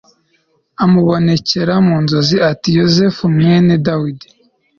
amubonekera mu nzozi ati Yosefu mwene Dawidi